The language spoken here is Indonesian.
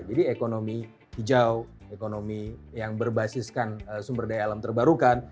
jadi ekonomi hijau ekonomi yang berbasiskan sumber daya alam terbarukan